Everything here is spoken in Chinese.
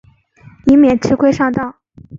以免吃亏上当